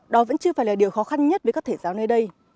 đó vẫn chưa phải là điều khó khăn nhất với các thầy giáo nơi đây